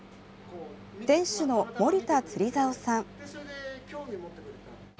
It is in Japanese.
店主の森田釣竿さん。